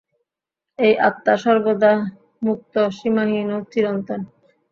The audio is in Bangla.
এই আত্মা সর্বদা মুক্ত, সীমাহীন ও চিরন্তন।